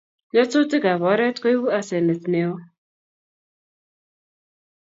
Nyasutikab oret koibu asenet neo